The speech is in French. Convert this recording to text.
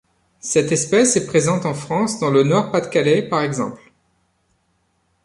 Cette espèce est présente en France, dans le Nord-Pas-de-Calais par exemple.